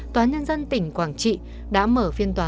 tòa nhân dân tỉnh quảng trị đã mở phiên tòa